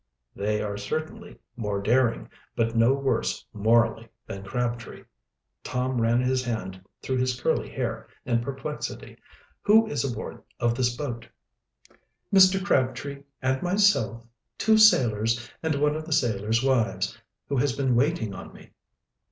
"They are certainly more daring, but no worse morally than Crabtree." Tom ran his hand through his curly hair in perplexity. "Who is aboard of this boat?" "Mr. Crabtree and myself, two sailors, and one of the sailors' wives, who has been waiting on me."